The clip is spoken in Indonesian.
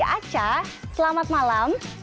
aca selamat malam